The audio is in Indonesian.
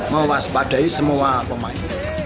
mau waspadai semua pemain